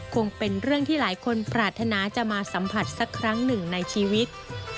คงเป็นเรื่องที่หลายคนปรารถนาจะมาสัมผัสสักครั้งหนึ่งในชีวิต